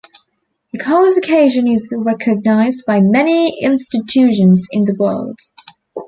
The qualification is recognized by many institutions in the world.